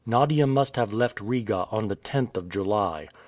Nadia must have left Riga on the 10th of July.